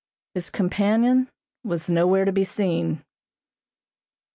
His companion was nowhere to be seen.